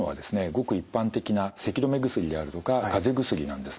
ごく一般的なせき止め薬であるとかかぜ薬なんですね。